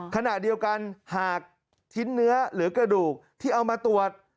ขณะเดียวกันหากชิ้นเนื้อหรือกระดูกที่เอามาตรวจ